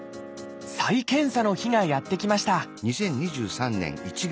再検査の日がやって来ました